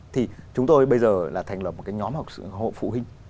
thì chúng tôi bây giờ là thành lập một cái nhóm hộ phụ huynh